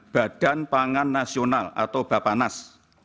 badan pangan nasional atau bapanas